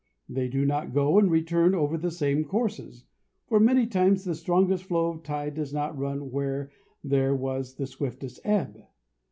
They do not go and return over the same courses, for many times the strongest flow of tide does not run where there was the swiftest ebb.